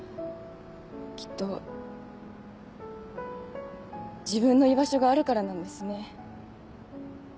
きっと自分の居場所があるからなんですね。